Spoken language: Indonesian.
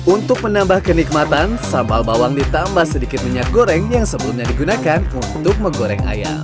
untuk menambah kenikmatan sambal bawang ditambah sedikit minyak goreng yang sebelumnya digunakan untuk menggoreng ayam